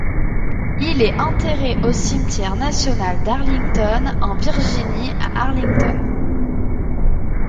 Il est enterré au Cimetière national d'Arlington en Virginie à Arlington.